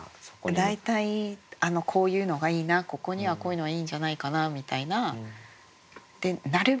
大体こういうのがいいなここにはこういうのがいいんじゃないかなみたいな。